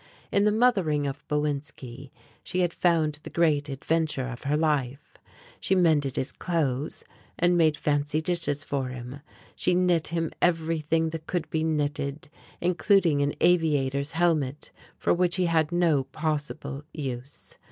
In the mothering of Bowinski she had found the great adventure of her life. She mended his clothes, and made fancy dishes for him, she knit him everything that could be knitted, including an aviator's helmet for which he had no possible use.